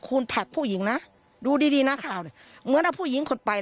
คุณถัดผู้หญิงนะดูดีหน้าข่าวเหมือนเอาผู้หญิงขนไป